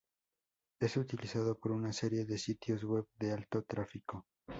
Es utilizado por una serie de sitios web de alto tráfico.